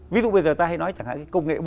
ví dụ bây giờ ta hay nói chẳng hạn công nghệ bốn